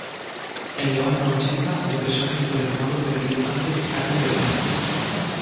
En los años ochenta el personaje fue retomado por el dibujante Carlo Peroni.